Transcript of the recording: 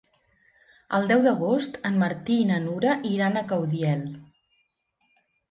El deu d'agost en Martí i na Nura iran a Caudiel.